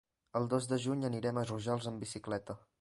El dos de juny anirem a Rojals amb bicicleta.